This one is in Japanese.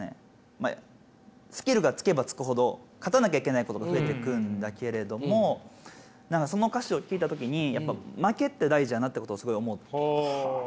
まあスキルがつけばつくほど勝たなきゃいけないことが増えていくんだけれども何かその歌詞を聴いた時にやっぱ負けって大事だなってことをすごい思って。